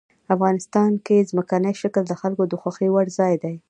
افغانستان کې ځمکنی شکل د خلکو د خوښې وړ ځای دی.